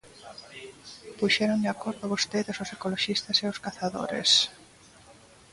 Puxeron de acordo vostedes os ecoloxistas e os cazadores.